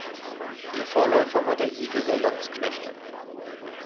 Ihr Vorläufer war der Igel der Landsknechte.